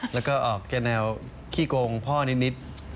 แล้วก็ออกแค่แนวขี้โกงพ่อนิด